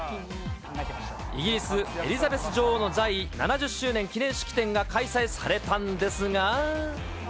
イギリス、エリザベス女王の在位７０周年記念式典が開催されたんですが。